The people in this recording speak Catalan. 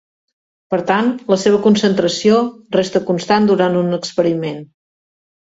Per tant, la seva concentració resta constant durant un experiment.